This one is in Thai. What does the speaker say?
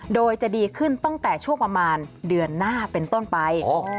โดยจะดีขึ้นตั้งแต่ช่วงประมาณเดือนหน้าเป็นต้นไป